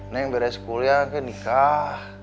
neng beres kuliah kemudian nikah